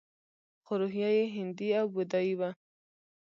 خو روحیه یې هندي او بودايي وه